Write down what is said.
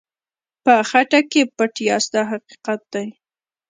په خټه کې پټ یاست دا حقیقت دی.